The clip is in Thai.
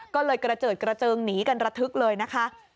ก็เลยกระเจิดกระเจิงหนีกันระทึกเลยนะคะ